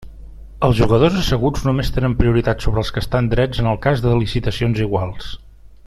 Els jugadors asseguts només tenen prioritat sobre els que estan drets en el cas de licitacions iguals.